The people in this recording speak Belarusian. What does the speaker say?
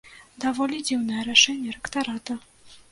Даволі дзіўнае рашэнне рэктарата.